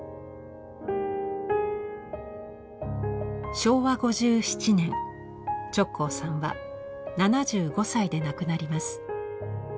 昭和５７年直行さんは７５歳で亡くなります。